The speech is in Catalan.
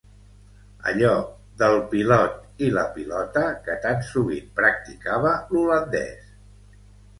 Allò del pilot i la pilota que tan sovint practicava l'holandès.